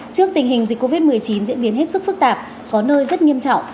trước tình hình dịch covid một mươi chín diễn biến hết sức phức tạp có nơi rất nghiêm trọng